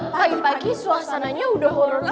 pagi pagi suasananya udah horor banget